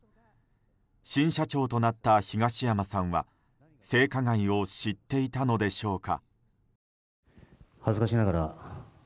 新社長となった東山さんは性加害を知っていたのでしょうか。